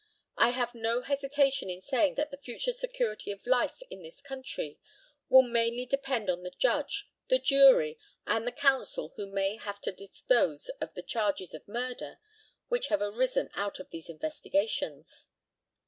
I have no hesitation in saying that the future security of life in this country will mainly depend on the judge, the jury, and the counsel who may have to dispose of the charges of murder which have arisen out of these investigations."